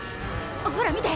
ほら見て。